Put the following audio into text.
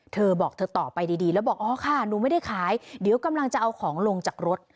เธอบอกเธอต่อไปดีแล้วบอกอ๋อค่ะหนูไม่ได้ขายเดี๋ยวกำลังจะเอาของลงจากรถ